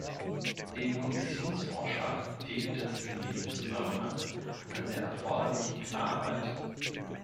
Dem Kommissionsvorschlag fehlt es in diesem Zusammenhang an der erforderlichen Klarheit.